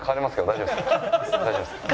大丈夫ですか。